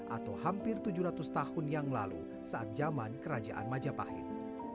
atau hampir tujuh ratus tahun yang lalu saat zaman kerajaan majapahit